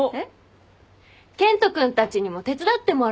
健人君たちにも手伝ってもらおうよ。